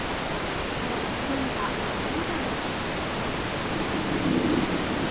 その後ろには稲光が。